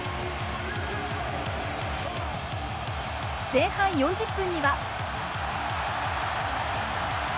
前半４０分には。